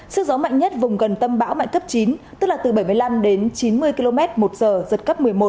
sức gió mạnh nhất vùng gần tâm bão mạnh cấp chín tức là từ bảy mươi năm đến chín mươi km một giờ giật cấp một mươi một